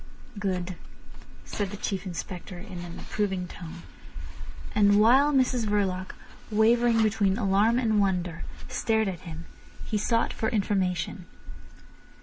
"Good," said the Chief Inspector in an approving tone. And while Mrs Verloc, wavering between alarm and wonder, stared at him, he sought for information.